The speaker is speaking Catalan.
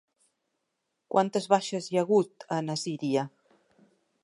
Quantes baixes hi ha hagut a Nasiriya?